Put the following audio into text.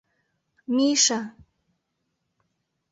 — Миша!